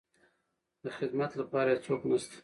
د خدمت لپاره يې څوک نشته.